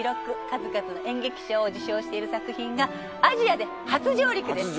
数々の演劇賞を受賞している作品がアジアで初上陸です